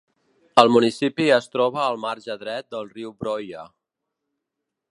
El municipi es troba al marge dret del riu Broye.